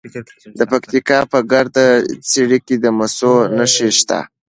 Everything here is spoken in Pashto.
د پکتیا په ګرده څیړۍ کې د مسو نښې شته.